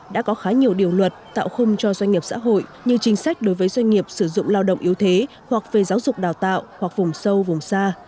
đã có khá nhiều điều luật tạo khung cho doanh nghiệp xã hội như chính sách đối với doanh nghiệp sử dụng lao động yếu thế hoặc về giáo dục đào tạo hoặc vùng sâu vùng xa